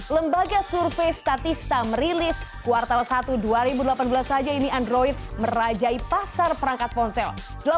lembaga survei statista merilis kuartal satu dua ribu delapan belas saja ini android merajai pasar perangkat ponsel